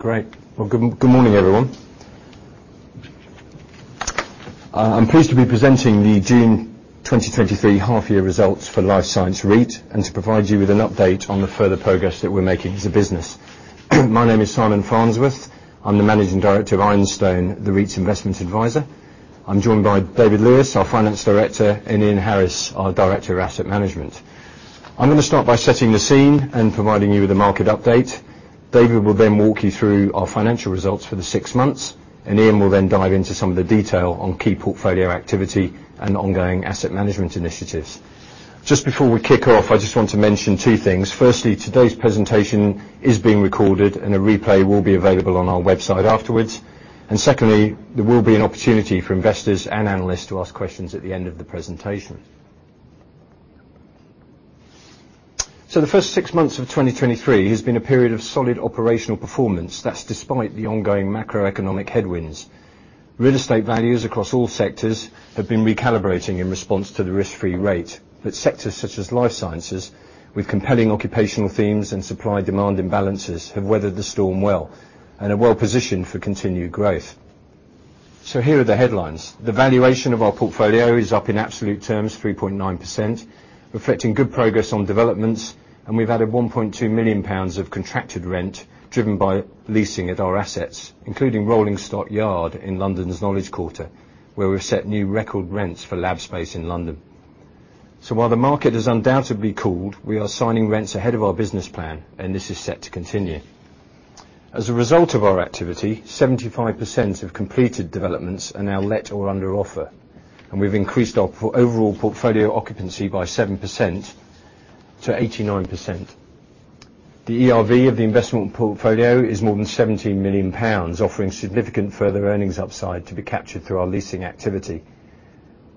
Great! Well, good morning, everyone. I'm pleased to be presenting the June 2023 Half Year Results for Life Science REIT, and to provide you with an update on the further progress that we're making as a business. My name is Simon Farnsworth. I'm the Managing Director of Ironstone, the REIT's investment advisor. I'm joined by David Lewis, our Finance Director, and Ian Harris, our Director of Asset Management. I'm gonna start by setting the scene and providing you with a market update. David will then walk you through our financial results for the six months, and Ian will then dive into some of the detail on key portfolio activity and ongoing asset management initiatives. Just before we kick off, I just want to mention two things: firstly, today's presentation is being recorded and a replay will be available on our website afterwards, and secondly, there will be an opportunity for investors and analysts to ask questions at the end of the presentation. The first six months of 2023 has been a period of solid operational performance, that's despite the ongoing macroeconomic headwinds. Real estate values across all sectors have been recalibrating in response to the risk-free rate, but sectors such as Life Sciences, with compelling occupational themes and supply-demand imbalances, have weathered the storm well and are well positioned for continued growth. Here are the headlines. The valuation of our portfolio is up in absolute terms, 3.9%, reflecting good progress on developments, and we've added 1.2 million pounds of contracted rent, driven by leasing at our assets, including Rolling Stock Yard in London's Knowledge Quarter, where we've set new record rents for lab space in London. So while the market has undoubtedly cooled, we are signing rents ahead of our business plan, and this is set to continue. As a result of our activity, 75% of completed developments are now let or under offer, and we've increased our overall portfolio occupancy by 7%-89%. The ERV of the investment portfolio is more than 17 million pounds, offering significant further earnings upside to be captured through our leasing activity.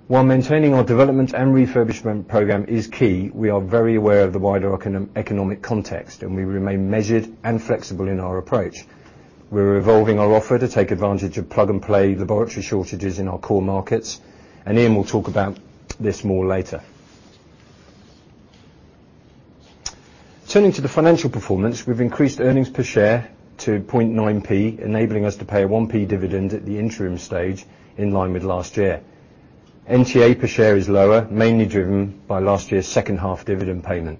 While maintaining our development and refurbishment program is key, we are very aware of the wider economic context, and we remain measured and flexible in our approach. We're evolving our offer to take advantage of plug-and-play laboratory shortages in our core markets, and Ian will talk about this more later. Turning to the financial performance, we've increased earnings per share to 0.9p, enabling us to pay a 1p dividend at the interim stage, in line with last year. NTA per share is lower, mainly driven by last year's second half dividend payment.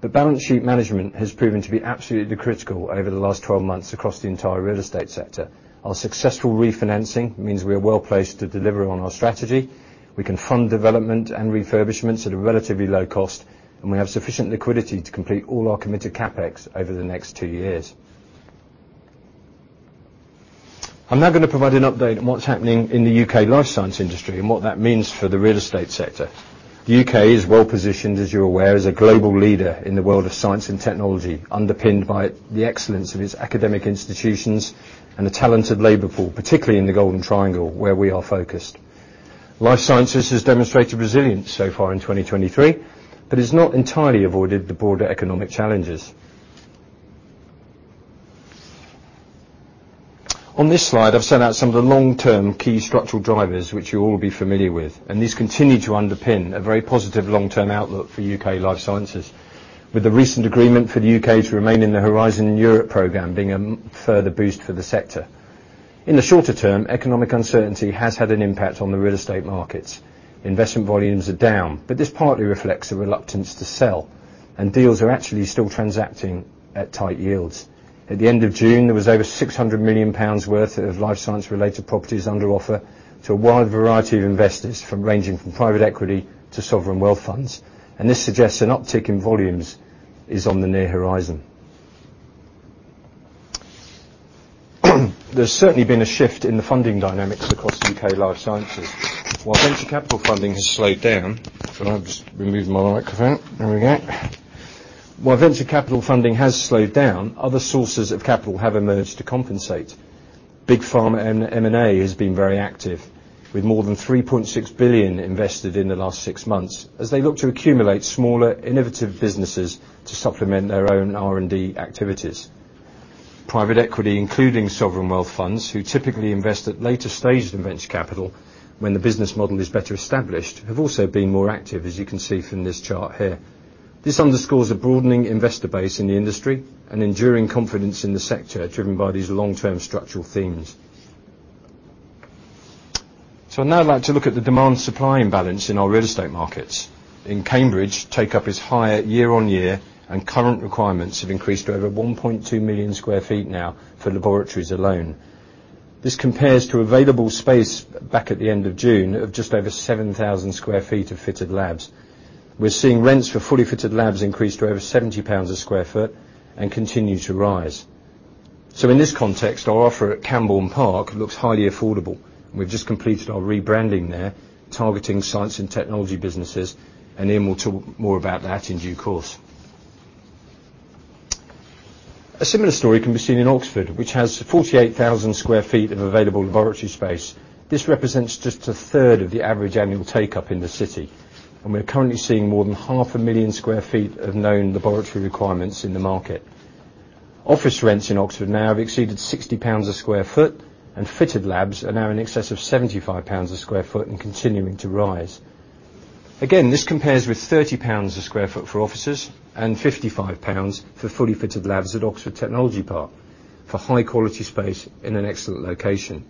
But balance sheet management has proven to be absolutely critical over the last 12 months across the entire real estate sector. Our successful refinancing means we are well placed to deliver on our strategy. We can fund development and refurbishments at a relatively low cost, and we have sufficient liquidity to complete all our committed CapEx over the next two years. I'm now gonna provide an update on what's happening in the U.K. Life Science industry and what that means for the real estate sector. The U.K. is well positioned, as you're aware, as a global leader in the world of science and technology, underpinned by the excellence of its academic institutions and a talented labor pool, particularly in the Golden Triangle, where we are focused. Life Sciences has demonstrated resilience so far in 2023, but it's not entirely avoided the broader economic challenges. On this slide, I've set out some of the long-term key structural drivers, which you'll all be familiar with, and these continue to underpin a very positive long-term outlook for UK Life Sciences, with the recent agreement for the U.K. to remain in the Horizon Europe program being a further boost for the sector. In the shorter term, economic uncertainty has had an impact on the real estate markets. Investment volumes are down, but this partly reflects a reluctance to sell, and deals are actually still transacting at tight yields. At the end of June, there was over 600 million pounds worth of Life Science-related properties under offer to a wide variety of investors, ranging from private equity to sovereign wealth funds, and this suggests an uptick in volumes is on the near horizon. There's certainly been a shift in the funding dynamics across UK Life Sciences. Sorry, I'll just remove my microphone. There we go. While venture capital funding has slowed down, other sources of capital have emerged to compensate. Big pharma and M&A has been very active, with more than 3.6 billion invested in the last six months, as they look to accumulate smaller, innovative businesses to supplement their own R&D activities. Private equity, including sovereign wealth funds, who typically invest at later stages in venture capital when the business model is better established, have also been more active, as you can see from this chart here. This underscores a broadening investor base in the industry and enduring confidence in the sector, driven by these long-term structural themes. So I'd now like to look at the demand-supply imbalance in our real estate markets. In Cambridge, take-up is higher year-over-year, and current requirements have increased to over 1.2 million sq ft now for laboratories alone. This compares to available space back at the end of June of just over 7,000 sq ft of fitted labs. We're seeing rents for fully fitted labs increased to over 70 pounds per sq ft and continue to rise. So in this context, our offer at Cambourne Park looks highly affordable. We've just completed our rebranding there, targeting Science and Technology businesses, and Ian will talk more about that in due course. A similar story can be seen in Oxford, which has 48,000 sq ft of available laboratory space. This represents just a third of the average annual take-up in the city, and we're currently seeing more than 500,000 sq ft of known laboratory requirements in the market. Office rents in Oxford now have exceeded 60 pounds a sq ft, and fitted labs are now in excess of 75 pounds a sq ft and continuing to rise. Again, this compares with 30 pounds a sq ft for offices, and 55 pounds for fully fitted labs at Oxford Technology Park, for high-quality space in an excellent location.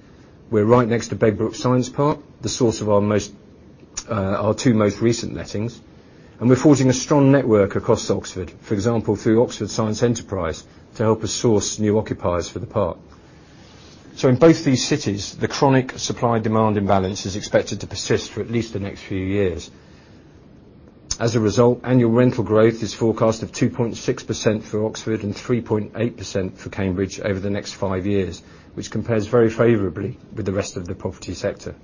We're right next to Begbroke Science Park, the source of our two most recent lettings, and we're forging a strong network across Oxford, for example, through Oxford Science Enterprises, to help us source new occupiers for the park. So in both these cities, the chronic supply-demand imbalance is expected to persist for at least the next few years. As a result, annual rental growth is forecast at 2.6% for Oxford and 3.8% for Cambridge over the next 5 years, which compares very favorably with the rest of the property sector.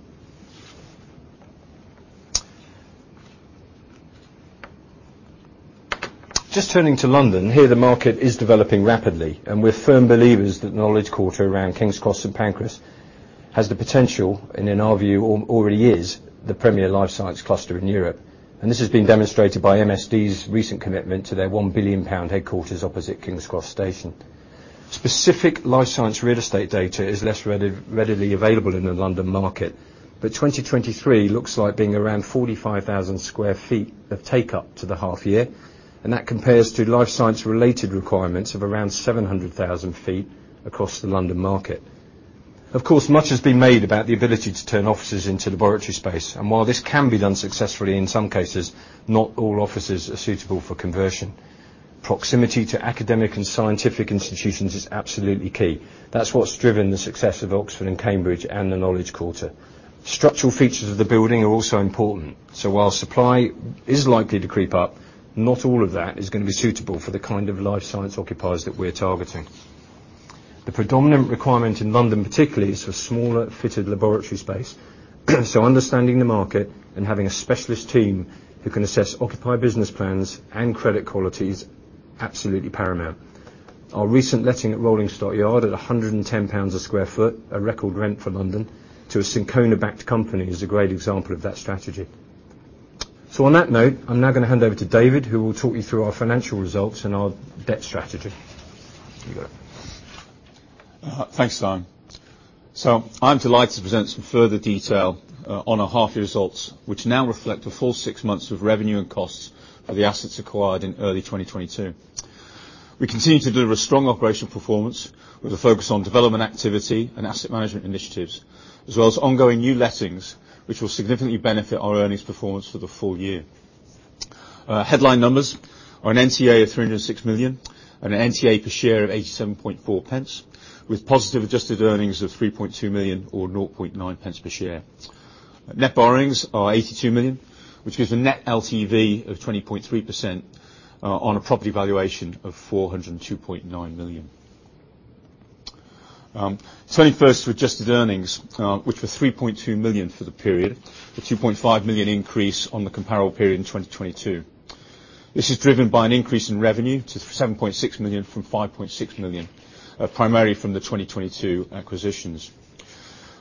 Just turning to London, here, the market is developing rapidly, and we're firm believers that the Knowledge Quarter around King's Cross and St Pancras has the potential, and in our view, already is, the premier Life Science cluster in Europe, and this has been demonstrated by MSD's recent commitment to their 1 billion pound headquarters opposite King's Cross Station. Specific Life Science real estate data is less readily available in the London market, but 2023 looks like being around 45,000 sq ft of takeup to the half year, and that compares to Life Science-related requirements of around 700,000 sq ft across the London market. Of course, much has been made about the ability to turn offices into laboratory space, and while this can be done successfully in some cases, not all offices are suitable for conversion. Proximity to academic and scientific institutions is absolutely key. That's what's driven the success of Oxford and Cambridge and the Knowledge Quarter. Structural features of the building are also important, so while supply is likely to creep up, not all of that is gonna be suitable for the kind of Life Science occupiers that we're targeting. The predominant requirement in London particularly, is for smaller, fitted laboratory space, so understanding the market and having a specialist team who can assess occupier business plans and credit quality is absolutely paramount. Our recent letting at Rolling Stock Yard, at 110 GBP/sq ft, a record rent for London, to a Syncona-backed company, is a great example of that strategy. So on that note, I'm now gonna hand over to David, who will talk you through our financial results and our debt strategy. You got it. Thanks, Simon. So I'm delighted to present some further detail on our half-year results, which now reflect a full six months of revenue and costs of the assets acquired in early 2022. We continue to deliver a strong operational performance, with a focus on development activity and asset management initiatives, as well as ongoing new lettings, which will significantly benefit our earnings performance for the full year. Headline numbers are an NTA of 306 million, and an NTA per share of 87.4 pence, with positive adjusted earnings of 3.2 million or 0.9 pence per share. Net borrowings are 82 million, which gives a net LTV of 20.3%, on a property valuation of 402.9 million. Turning first to adjusted earnings, which were 3.2 million for the period, a 2.5 million increase on the comparable period in 2022. This is driven by an increase in revenue to 7.6 million from 5.6 million, primarily from the 2022 acquisitions.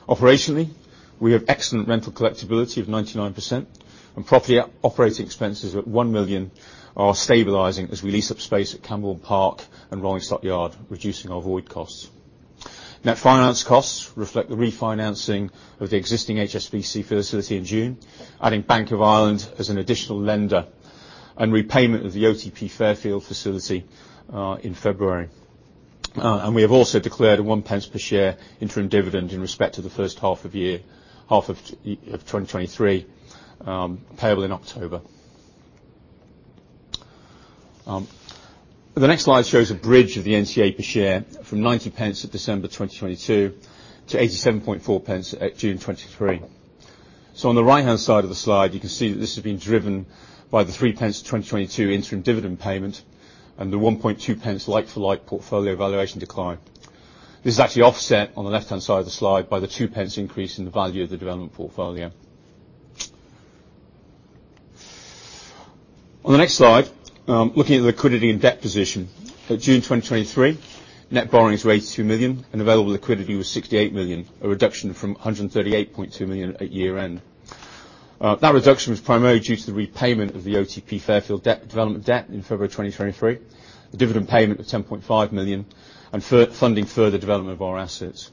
Operationally, we have excellent rental collectibility of 99%, and property operating expenses at 1 million are stabilizing as we lease up space at Cambourne Park and Rolling Stock Yard, reducing our void costs. Net finance costs reflect the refinancing of the existing HSBC facility in June, adding Bank of Ireland as an additional lender, and repayment of the OTP Fairfield facility in February. We have also declared a 1 pence per share interim dividend in respect to the first half of the year—half of 2023, payable in October. The next slide shows a bridge of the NTA per share from 90 pence at December 2022 to 87.4 pence at June 2023. On the right-hand side of the slide, you can see that this has been driven by the 3 pence 2022 interim dividend payment and the 1.2 pence like-for-like portfolio valuation decline. This is actually offset on the left-hand side of the slide by the 2 pence increase in the value of the development portfolio. On the next slide, looking at the liquidity and debt position. At June 2023, net borrowings were 82 million, and available liquidity was 68 million, a reduction from 138.2 million at year-end. That reduction was primarily due to the repayment of the OTP Fairfield debt development debt in February 2023, the dividend payment of 10.5 million, and funding further development of our assets.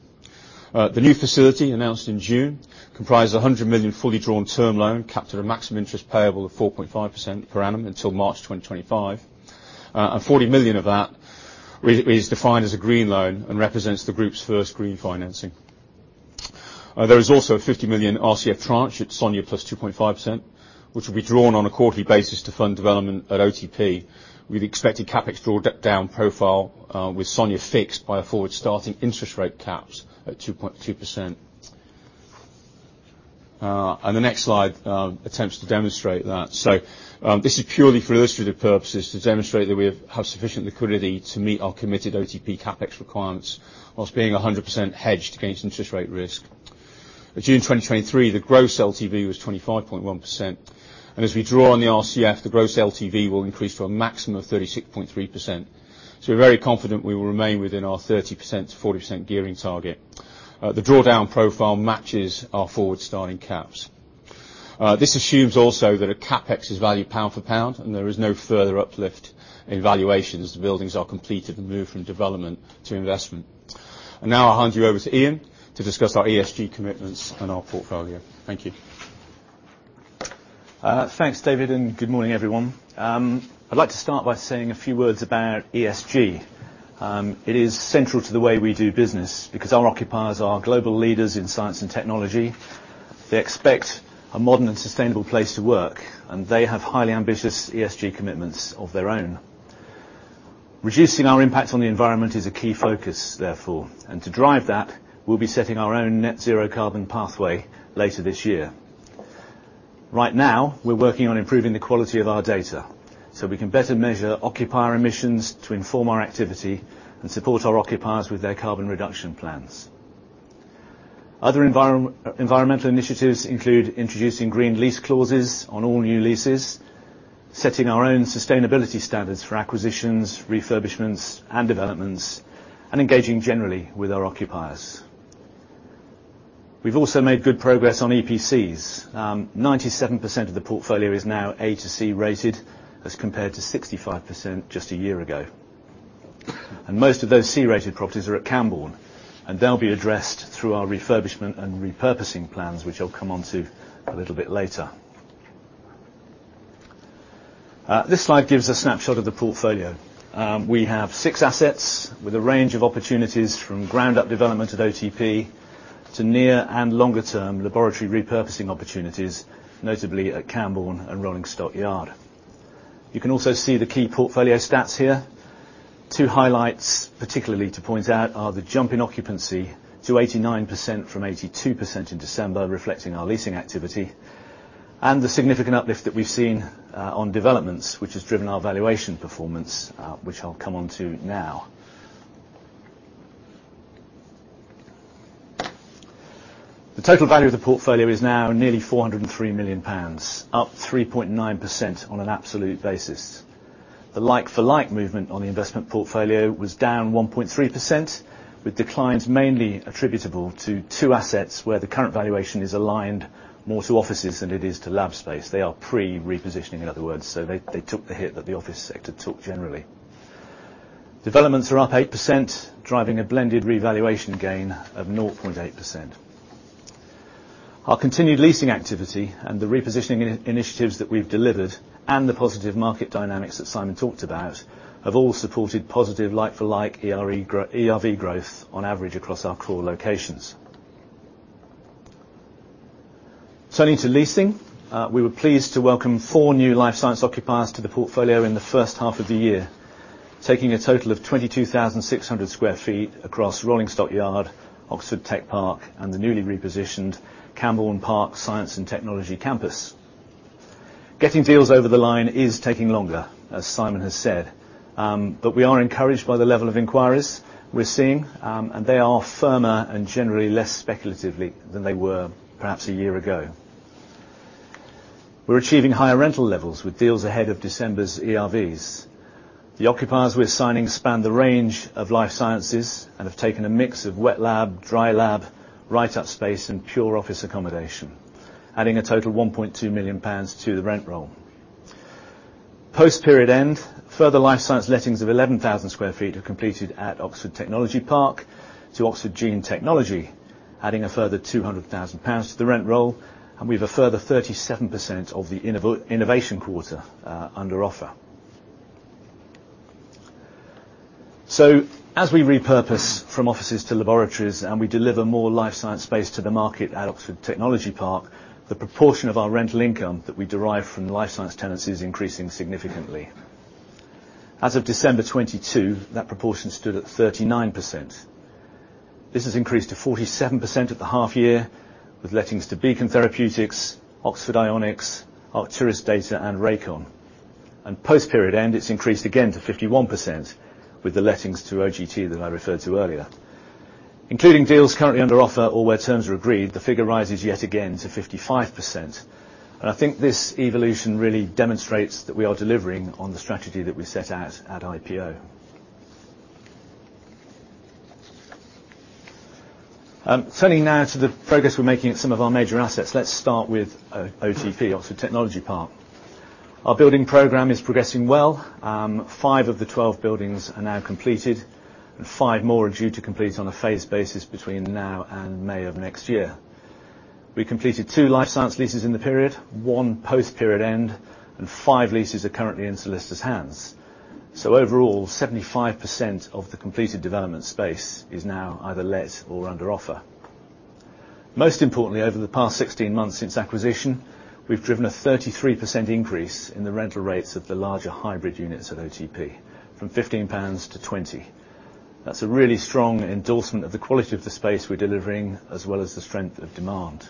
The new facility, announced in June, comprises a 100 million fully drawn term loan, capped at a maximum interest payable of 4.5% per annum until March 2025, and 40 million of that is defined as a green loan and represents the group's first green financing. There is also a 50 million RCF tranche at SONIA plus 2.5%, which will be drawn on a quarterly basis to fund development at OTP with expected CapEx drawdown profile, with SONIA fixed by a forward-starting interest rate caps at 2.2%. The next slide attempts to demonstrate that. This is purely for illustrative purposes, to demonstrate that we have sufficient liquidity to meet our committed OTP CapEx requirements whilst being 100% hedged against interest rate risk. At June 2023, the gross LTV was 25.1%, and as we draw on the RCF, the gross LTV will increase to a maximum of 36.3%. We're very confident we will remain within our 30%-40% gearing target. The drawdown profile matches our forward-starting caps. This assumes also that a CapEx is valued pound-for-pound, and there is no further uplift in valuations as the buildings are completed and move from development to investment. And now I'll hand you over to Ian to discuss our ESG commitments and our portfolio. Thank you. Thanks, David, and good morning, everyone. I'd like to start by saying a few words about ESG. It is central to the way we do business because our occupiers are global leaders in science and technology. They expect a modern and sustainable place to work, and they have highly ambitious ESG commitments of their own. Reducing our impact on the environment is a key focus, therefore, and to drive that, we'll be setting our own net zero carbon pathway later this year. Right now, we're working on improving the quality of our data, so we can better measure occupier emissions to inform our activity and support our occupiers with their carbon reduction plans. Other environmental initiatives include introducing green lease clauses on all new leases, setting our own sustainability standards for acquisitions, refurbishments, and developments, and engaging generally with our occupiers. We've also made good progress on EPCs. 97% of the portfolio is now A to C rated, as compared to 65% just a year ago. Most of those C-rated properties are at Cambourne, and they'll be addressed through our refurbishment and repurposing plans, which I'll come onto a little bit later. This slide gives a snapshot of the portfolio. We have 6 assets with a range of opportunities, from ground-up development at OTP to near and longer-term laboratory repurposing opportunities, notably at Cambourne and Rolling Stock Yard. You can also see the key portfolio stats here. 2 highlights, particularly to point out, are the jump in occupancy to 89% from 82% in December, reflecting our leasing activity, and the significant uplift that we've seen on developments, which has driven our valuation performance, which I'll come on to now. The total value of the portfolio is now nearly 403 million pounds, up 3.9% on an absolute basis. The like-for-like movement on the investment portfolio was down 1.3%, with declines mainly attributable to two assets, where the current valuation is aligned more to offices than it is to lab space. They are pre-repositioning, in other words, so they, they took the hit that the office sector took generally. Developments are up 8%, driving a blended revaluation gain of 0.8%. Our continued leasing activity and the repositioning initiatives that we've delivered, and the positive market dynamics that Simon talked about, have all supported positive like-for-like ERV growth on average across our core locations. Turning to leasing, we were pleased to welcome four new Life Science occupiers to the portfolio in the first half of the year, taking a total of 22,600 sq ft across Rolling Stock Yard, Oxford Technology Park, and the newly repositioned Cambourne Park Science and Technology Campus. Getting deals over the line is taking longer, as Simon has said, but we are encouraged by the level of inquiries we're seeing, and they are firmer and generally less speculative than they were perhaps a year ago. We're achieving higher rental levels with deals ahead of December's ERVs. The occupiers we're signing span the range of Life Sciences and have taken a mix of wet lab, dry lab, write-up space, and pure office accommodation, adding a total 1.2 million pounds to the rent roll. Post-period end, further Life Science lettings of 11,000 sq ft have completed at Oxford Technology Park to Oxford Gene Technology, adding a further 200,000 pounds to the rent roll, and we have a further 37% of the Innovation Quarter under offer. As we repurpose from offices to laboratories, and we deliver more Life Science space to the market at Oxford Technology Park, the proportion of our rental income that we derive from the Life Science tenancy is increasing significantly. As of December 2022, that proportion stood at 39%. This has increased to 47% at the half year, with lettings to Beacon Therapeutics, Oxford Ionics, Arcturis Data, and Rakon. Post-period end, it's increased again to 51% with the lettings to OGT that I referred to earlier. Including deals currently under offer or where terms are agreed, the figure rises yet again to 55%, and I think this evolution really demonstrates that we are delivering on the strategy that we set out at IPO. Turning now to the progress we're making at some of our major assets. Let's start with OTP, Oxford Technology Park. Our building program is progressing well. Five of the 12 buildings are now completed, and five more are due to complete on a phased basis between now and May of next year. We completed two Life Science leases in the period, one post-period end, and five leases are currently in solicitor's hands. So overall, 75% of the completed development space is now either let or under offer. Most importantly, over the past 16 months since acquisition, we've driven a 33% increase in the rental rates of the larger hybrid units at OTP, from 15 pounds to 20 GBP. That's a really strong endorsement of the quality of the space we're delivering, as well as the strength of demand.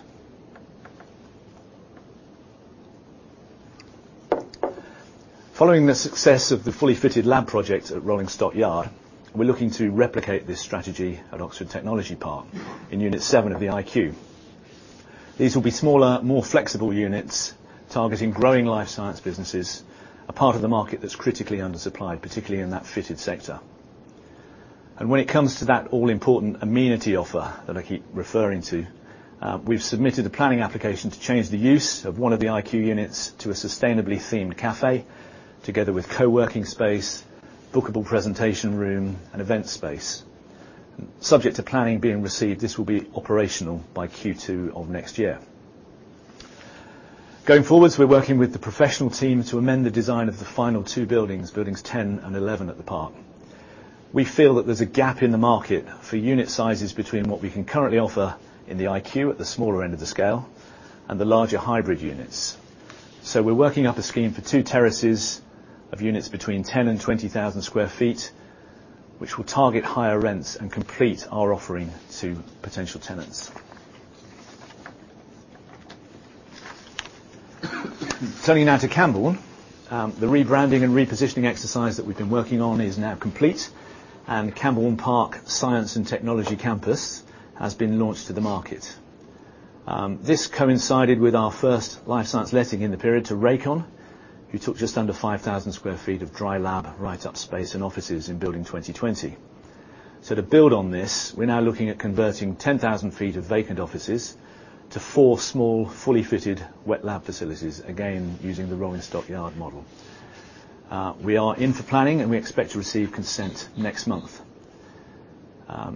Following the success of the fully fitted lab project at Rolling Stock Yard, we're looking to replicate this strategy at Oxford Technology Park in Unit Seven of the IQ. These will be smaller, more flexible units, targeting growing Life Science businesses, a part of the market that's critically undersupplied, particularly in that fitted sector. When it comes to that all-important amenity offer that I keep referring to, we've submitted a planning application to change the use of one of the IQ units to a sustainably themed cafe, together with co-working space, bookable presentation room, and event space. Subject to planning being received, this will be operational by Q2 of next year. Going forward, we're working with the professional team to amend the design of the final two buildings, buildings 10 and 11 at the park. We feel that there's a gap in the market for unit sizes between what we can currently offer in the IQ, at the smaller end of the scale, and the larger hybrid units. So we're working up a scheme for two terraces of units between 10 and 20,000 sq ft, which will target higher rents and complete our offering to potential tenants. Turning now to Cambourne. The rebranding and repositioning exercise that we've been working on is now complete, and Cambourne Park Science and Technology Campus has been launched to the market. This coincided with our first Life Science letting in the period to Rakon, who took just under 5,000 sq ft of dry lab, write-up space, and offices in Building 2020. So to build on this, we're now looking at converting 10,000 sq ft of vacant offices to four small, fully fitted wet lab facilities, again, using the Rolling Stock Yard model. We are in for planning, and we expect to receive consent next month.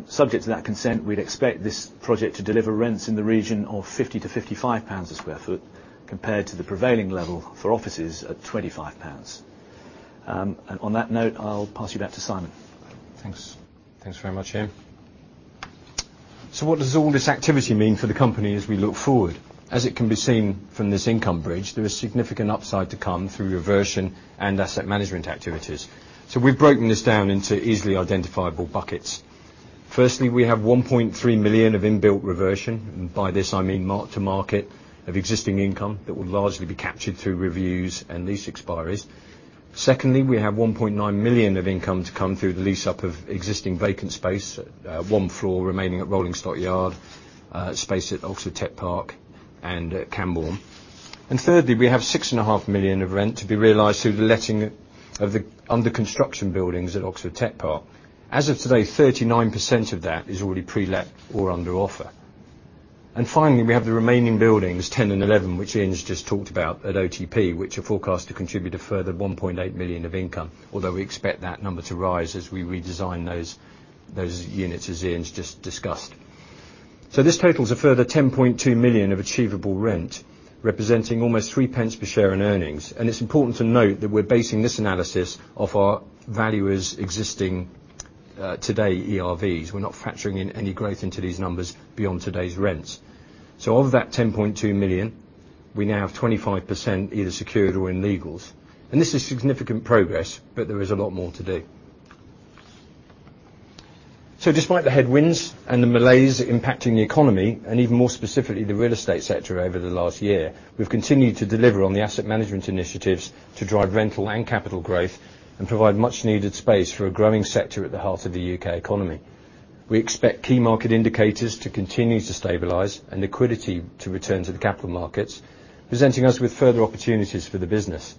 Subject to that consent, we'd expect this project to deliver rents in the region of 50-55 pounds a sq ft, compared to the prevailing level for offices at 25 pounds. And on that note, I'll pass you back to Simon. Thanks. Thanks very much, Ian. What does all this activity mean for the company as we look forward? As it can be seen from this income bridge, there is significant upside to come through reversion and asset management activities. We've broken this down into easily identifiable buckets. Firstly, we have 1.3 million of in-built reversion, and by this, I mean mark to market of existing income that will largely be captured through reviews and lease expiries. Secondly, we have 1.9 million of income to come through the lease-up of existing vacant space, one floor remaining at Rolling Stock Yard, space at Oxford Technology Park and at Cambourne. Thirdly, we have 6.5 million of rent to be realized through the letting of the under construction buildings at Oxford Technology Park. As of today, 39% of that is already pre-let or under offer. Finally, we have the remaining buildings, 10 and 11, which Ian's just talked about at OTP, which are forecast to contribute a further 1.8 million of income, although we expect that number to rise as we redesign those, those units, as Ian's just discussed. This totals a further 10.2 million of achievable rent, representing almost 3 pence per share in earnings. It's important to note that we're basing this analysis off our valuers existing, today, ERVs. We're not factoring in any growth into these numbers beyond today's rents. Of that 10.2 million, we now have 25% either secured or in legals. This is significant progress, but there is a lot more to do. Despite the headwinds and the malaise impacting the economy, and even more specifically, the real estate sector over the last year, we've continued to deliver on the asset management initiatives to drive rental and capital growth and provide much needed space for a growing sector at the heart of the U.K. economy. We expect key market indicators to continue to stabilize and liquidity to return to the capital markets, presenting us with further opportunities for the business.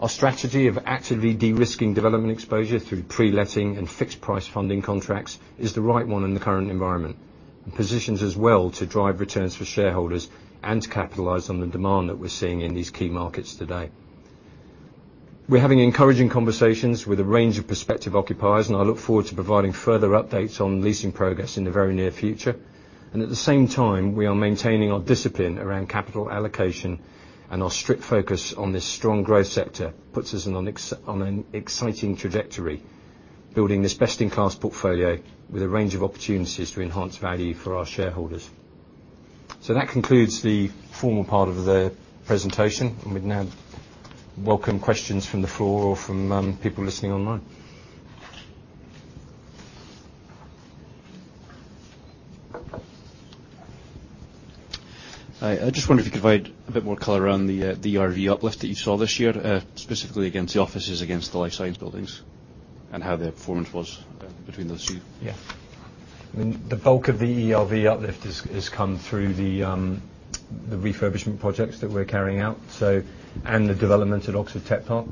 Our strategy of actively de-risking development exposure through pre-letting and fixed price funding contracts is the right one in the current environment, and positions us well to drive returns for shareholders and to capitalize on the demand that we're seeing in these key markets today. We're having encouraging conversations with a range of prospective occupiers, and I look forward to providing further updates on leasing progress in the very near future. At the same time, we are maintaining our discipline around capital allocation, and our strict focus on this strong growth sector puts us on an exciting trajectory, building this best-in-class portfolio with a range of opportunities to enhance value for our shareholders. That concludes the formal part of the presentation, and we'd now welcome questions from the floor or from people listening online. Hi, I just wonder if you could provide a bit more color around the, the ERV uplift that you saw this year, specifically against the offices, against the Life Science buildings, and how the performance was, between those two? Yeah. I mean, the bulk of the ERV uplift is, has come through the, the refurbishment projects that we're carrying out, so, and the development at Oxford Tech Park.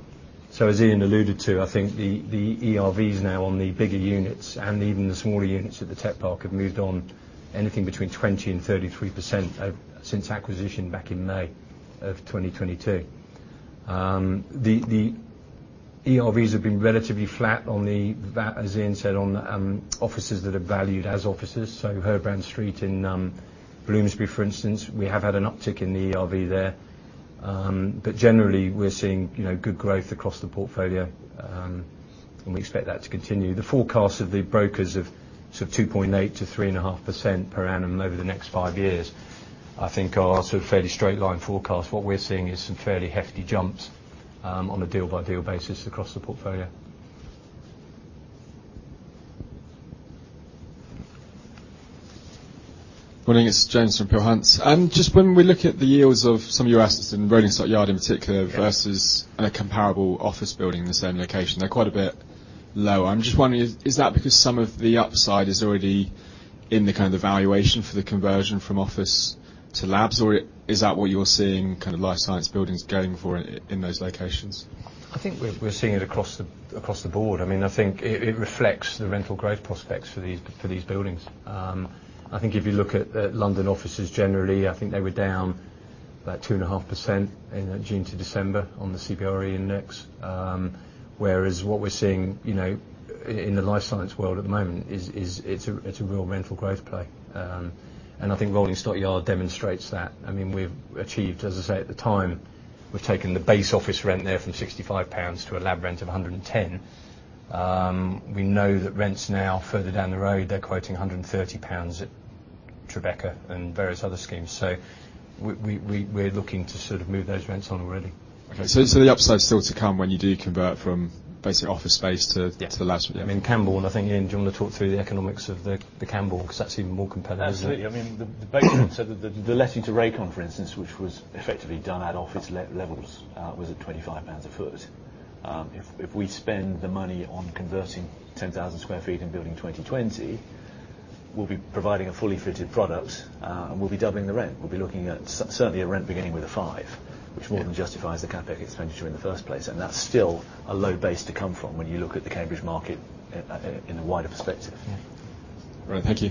So as Ian alluded to, I think the ERVs now on the bigger units and even the smaller units at the Tech Park have moved on anything between 20% and 33% of, since acquisition back in May 2022. The ERVs have been relatively flat on the va- as Ian said, on offices that are valued as offices. So Herbrand Street in Bloomsbury, for instance, we have had an uptick in the ERV there. But generally, we're seeing, you know, good growth across the portfolio, and we expect that to continue. The forecast of the brokers of sort of 2.8%-3.5% per annum over the next five years, I think are sort of fairly straight-line forecast. What we're seeing is some fairly hefty jumps on a deal-by-deal basis across the portfolio. Morning, it's James from Peel Hunt. Just when we look at the yields of some of your assets in Rolling Stock Yard in particular, versus a comparable office building in the same location, they're quite a bit lower. I'm just wondering, is that because some of the upside is already in the kind of the valuation for the conversion from office?to labs, or is that what you're seeing kind of Life Science buildings going for in those locations? I think we're, we're seeing it across the, across the board. I mean, I think it reflects the rental growth prospects for these, for these buildings. I think if you look at London offices generally, I think they were down about 2.5% in June to December on the CBRE index. Whereas what we're seeing, you know, in the Life Science world at the moment is, it's a real rental growth play. I think Rolling Stock Yard demonstrates that. I mean, we've achieved, as I say, at the time, we've taken the base office rent there from 65 pounds to a lab rent of 110. We know that rents now, further down the road, they're quoting 130 pounds at Tribeca and various other schemes. So we're looking to sort of move those rents on already. Okay. So, so the upside is still to come when you do convert from basic office space to- Yes to the labs? Yeah. I mean, Cambourne, I think, Ian, do you want to talk through the economics of the, the Cambourne? Because that's even more competitive. Absolutely. I mean, the basic, so the letting to Rakon, for instance, which was effectively done at office levels, was at 25 pounds a sq ft. If we spend the money on converting 10,000 sq ft in building 2020, we'll be providing a fully fitted product, and we'll be doubling the rent. We'll be looking at certainly a rent beginning with a five- Yeah .which more than justifies the CapEx expenditure in the first place, and that's still a low base to come from when you look at the Cambridge market, in a wider perspective. Yeah. All right. Thank you. Do you have any more? You,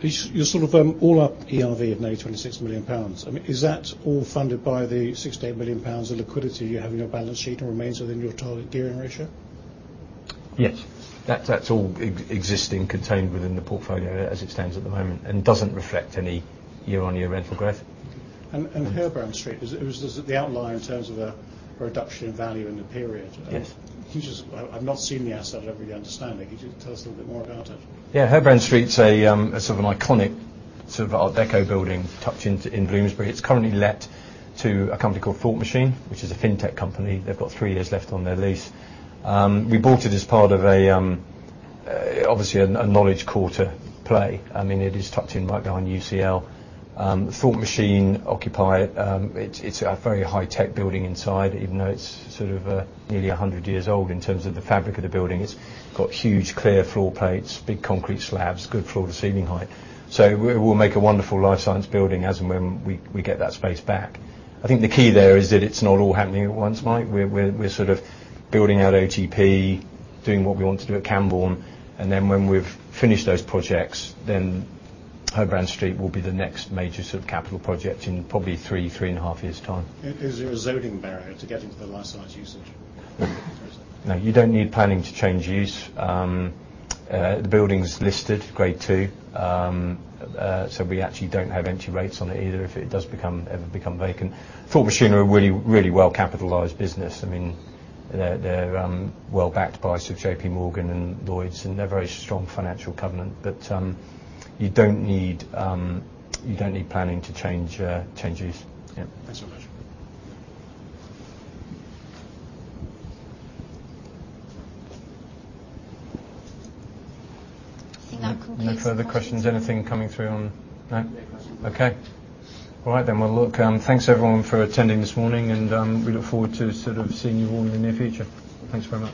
you're sort of all up ERV of 96 million pounds. I mean, is that all funded by the 68 million pounds of liquidity you have in your balance sheet, and remains within your target gear ratio? Yes. That's all existing, contained within the portfolio as it stands at the moment, and doesn't reflect any year-on-year rental growth. Herbrand Street, was it, was this the outlier in terms of a reduction in value in the period? Yes. Can you just. I've not seen the asset. I don't really understand it. Can you just tell us a little bit more about it? Yeah, Herbrand Street's a, sort of an iconic, sort of art deco building tucked into, in Bloomsbury. It's currently let to a company called Thought Machine, which is a Fintech company. They've got 3 years left on their lease. I mean, we bought it as part of a, obviously a Knowledge Quarter play. I mean, it is tucked in right behind UCL. Thought Machine occupy it. It's, it's a very high-tech building inside, even though it's sort of, nearly 100 years old in terms of the fabric of the building. It's got huge, clear floor plates, big concrete slabs, good floor-to-ceiling height. We'll make a wonderful Life Science building as and when we, we get that space back. I think the key there is that it's not all happening at once, Mike. We're sort of building out OTP, doing what we want to do at Cambourne, and then when we've finished those projects, then Herbrand Street will be the next major sort of capital project in probably 3, 3.5 years' time. Is there a zoning barrier to get into the Life Science usage? No, you don't need planning to change use. The building's listed Grade II. We actually don't have entry rates on it either, if it does ever become vacant. Thought Machine are a really, really well-capitalized business. I mean, they're well backed by sort of J.P. Morgan and Lloyds, and they're a very strong financial covenant. You don't need planning to change, change use. Yeah. Thanks so much. I think that concludes- No further questions. Anything coming through on, No? No questions. Okay. All right, then, well, look, thanks, everyone, for attending this morning and, we look forward to sort of seeing you all in the near future. Thanks very much.